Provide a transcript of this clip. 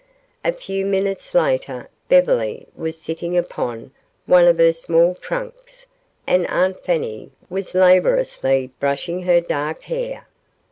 A few minutes later Beverly was sitting upon one of her small trunks and Aunt Fanny was laboriously brushing her dark hair.